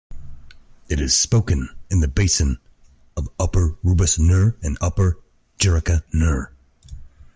It is spoken in the basin of Upper Rubas-nir and Upper Chirakh-nir.